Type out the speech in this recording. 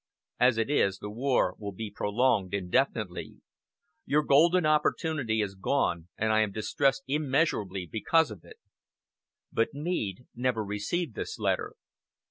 As it is, the war will be prolonged indefinitely. ... Your golden opportunity is gone and I am distressed immeasurably because of it." But Meade never received this letter.